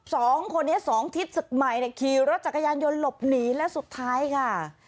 สองคนนี้สองทิศศึกใหม่เนี่ยขี่รถจักรยานยนต์หลบหนีและสุดท้ายค่ะ